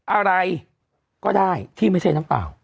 อะไรก็ได้ที่ไม่ใช่น้ำเปล่า